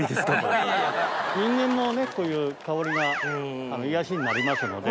人間もこういう香りが癒やしになりますので。